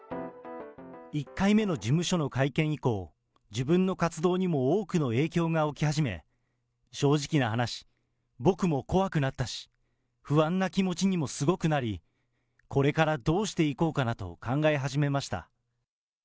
１回目の事務所の会見以降、自分の活動にも多くの影響が起き始め、正直な話、僕も怖くなったし、不安な気持ちにもすごくなり、これからどうしていこうかなと考え始めました。